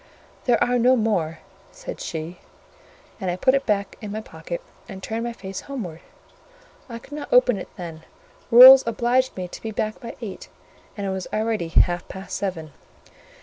"There are no more," said she; and I put it in my pocket and turned my face homeward: I could not open it then; rules obliged me to be back by eight, and it was already half past seven.